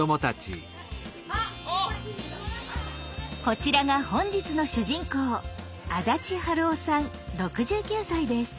こちらが本日の主人公安達春雄さん６９歳です。